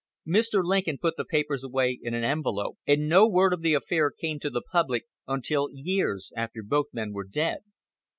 Mr. Lincoln put the papers away in an envelope, and no word of the affair came to the public until years after both men were dead.